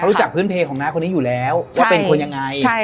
รู้จักพื้นเพลของน้าคนนี้อยู่แล้วว่าเป็นคนยังไง